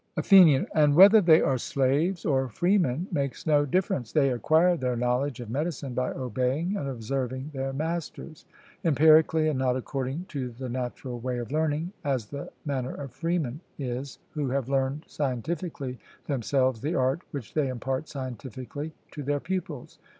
ATHENIAN: And whether they are slaves or freemen makes no difference; they acquire their knowledge of medicine by obeying and observing their masters; empirically and not according to the natural way of learning, as the manner of freemen is, who have learned scientifically themselves the art which they impart scientifically to their pupils.